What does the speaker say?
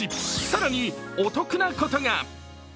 更にお得なことが。